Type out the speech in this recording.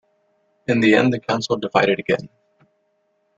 In the end, the council divided again.